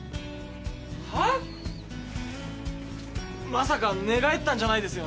まさか寝返ったんじゃないですよね？